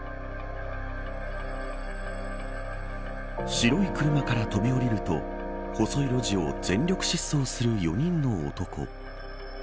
白い車から飛び降りると細い路地を全力疾走する４人の男。